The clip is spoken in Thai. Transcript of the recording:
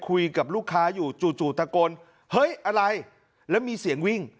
คุยกับลูกค้าอยู่จู่ตะโกนเฮ้ยอะไรแล้วมีเสียงวิ่ง